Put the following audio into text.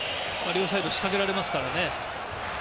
両サイド仕掛けられますからね。